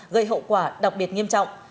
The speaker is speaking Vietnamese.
gây hậu quả đặc biệt nghiêm trọng